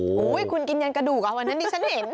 โอ้โหคุณกินยันกระดูกอ่ะวันนั้นดิฉันเห็น